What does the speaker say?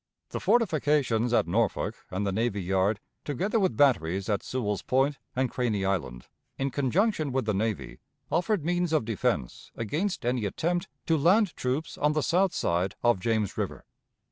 The fortifications at Norfolk and the navy yard, together with batteries at Sewell's Point and Craney Island, in conjunction with the navy, offered means of defense against any attempt to land troops on the south side of James River.